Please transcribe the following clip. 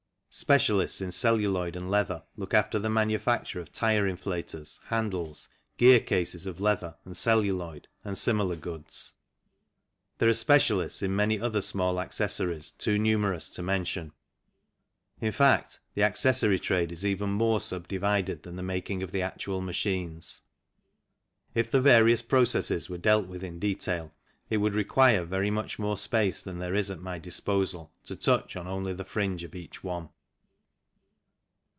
Specialists in celluloid and leather look after the manufacture of tyre inflators, handles, gear cases of leather, and celluloid and sinrlar goods. There are specialists in many other small accessories, too numerous to mention ; in fact, the accessory trade ACCESSORIES 101 is even more subdivided than the making of the actual machines. If the various processes were dealt with in detail, it would require very much more space than there is at my disposal to touch on only the fringe of each one.